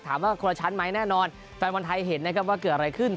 คนละชั้นไหมแน่นอนแฟนบอลไทยเห็นนะครับว่าเกิดอะไรขึ้น